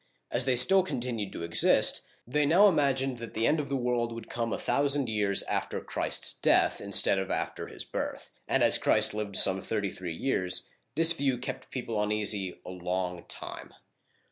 As they still continued to exist, they now imagined that the end of the world would come locx) years after Christ's death. Digitized by Google ROBERT I. (996 1031) loi instead of after His birth, and as Christ lived some thirty three years, this view kept people uneasy a long time.